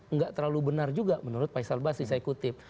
enggak terlalu benar juga menurut pak issal basri saya kutip